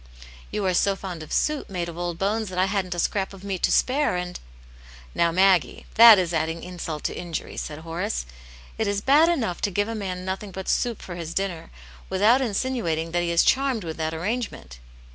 You are so fond of soup made of old bones that I hadn't a scrap of meat to spare, and " "Now, Maggie, that is adding insult to injury," said Horace. " It is bad enough to give a man nothing but soup for his dinner, without insinuating that he is charmed with that arrangement."